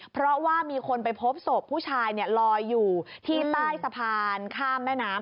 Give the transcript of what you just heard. เพราะว่ามีคนไปพบศพผู้ชายลอยอยู่ที่ใต้สะพานข้ามแม่น้ำ